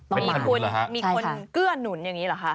มีคนเกื้อนหนุนอย่างนี้หรอคะใช่ค่ะอ๋อมีคนเกื้อนหนุนอย่างนี้หรอคะ